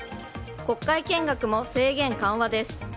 国会見学も制限緩和です。